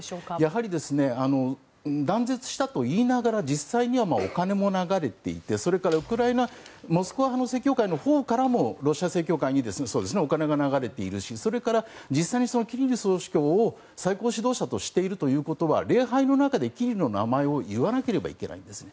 やはり断絶したといいながら実際にはお金も流れていてそれからモスクワ派の正教会の中からもロシア正教会にお金が流れているしそれから実際にキリル総主教を最高指導者としているということは礼拝の中でキリルの名前を言わなければいけないんですね。